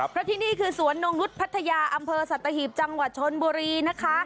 เพราะที่นี่คือสวนนงนุษย์พัทยาอำเภอสัตหีบจังหวัดชนบุรีนะคะ